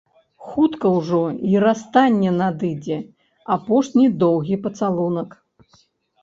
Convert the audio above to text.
Хутка ўжо й расстанне надыдзе, апошні доўгі пацалунак.